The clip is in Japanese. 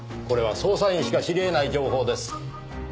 これは捜査員しか知り得ない情報です。